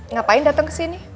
ngapain datang kesini